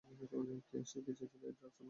সে কি চেয়েছিল এই ড্রাগস আপনার কাছে?